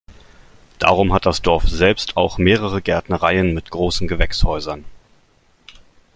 Darum hat das Dorf selbst auch mehrere Gärtnereien mit großen Gewächshäusern.